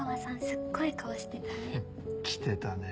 すっごい顔してたね。